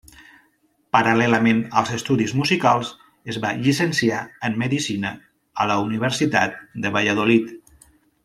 Paral·lelament als estudis musicals, es va llicenciar en Medicina a la Universitat de Valladolid.